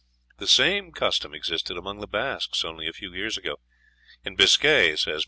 The same custom existed among the Basques only a few years ago. "In Biscay," says M.